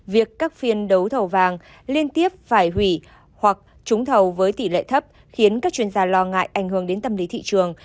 việc các phiên đấu thầu vàng liên tiếp phải hủy hoặc trúng thầu với tỷ lệ thấp khiến các chuyên gia lo ngại ảnh hưởng đến tâm lý thị trường